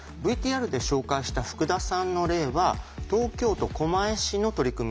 ＶＴＲで紹介した福田さんの例は東京都狛江市の取り組みなんですね。